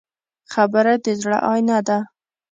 خبره د زړه آیینه ده.